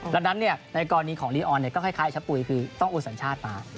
ดังนั้นเนี่ยในกรณีของลีออนเนี่ยก็คล้ายชับปุ๋ยคือต้องอุดสัญชาติมา